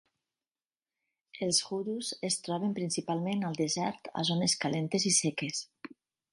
Els Hoodoos es troben principalment al desert a zones calentes i seques.